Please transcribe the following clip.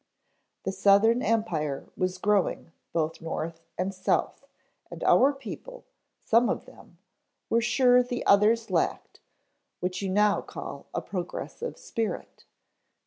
The southern empire was growing both north and south and our people, some of them, were sure the others lacked what you now call a progressive spirit."